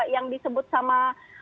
yang disebut sama